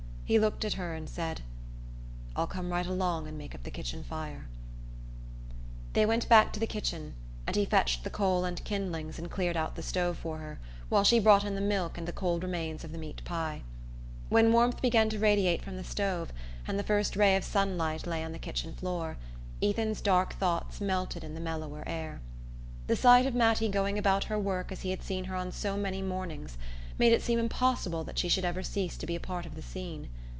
He looked at her and said: "I'll come right along and make up the kitchen fire." They went back to the kitchen, and he fetched the coal and kindlings and cleared out the stove for her, while she brought in the milk and the cold remains of the meat pie. When warmth began to radiate from the stove, and the first ray of sunlight lay on the kitchen floor, Ethan's dark thoughts melted in the mellower air. The sight of Mattie going about her work as he had seen her on so many mornings made it seem impossible that she should ever cease to be a part of the scene.